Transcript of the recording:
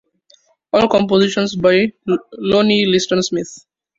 All compositions by Lonnie Liston Smith